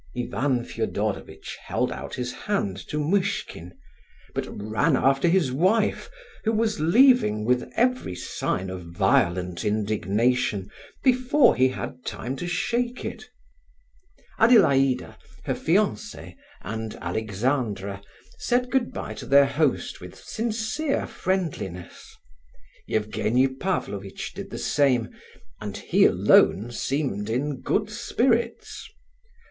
Ivan Fedorovitch held out his hand to Muishkin, but ran after his wife, who was leaving with every sign of violent indignation, before he had time to shake it. Adelaida, her fiance, and Alexandra, said good bye to their host with sincere friendliness. Evgenie Pavlovitch did the same, and he alone seemed in good spirits.